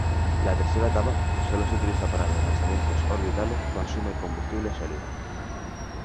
La tercera etapa, que sólo se utiliza para los lanzamientos orbitales, consume combustible sólido.